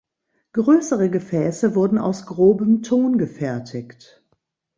Größere Gefäße wurden aus grobem Ton gefertigt.